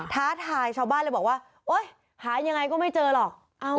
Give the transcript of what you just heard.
ท้าทายชาวบ้านเลยบอกว่าโอ๊ยหายังไงก็ไม่เจอหรอก